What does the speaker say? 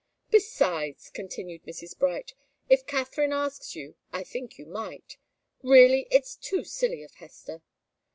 "Besides," continued Mrs. Bright, "if Katharine asks you, I think you might really, it's too silly of Hester."